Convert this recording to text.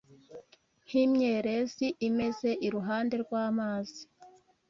Nk’imyerezi imeze iruhande rw’amazi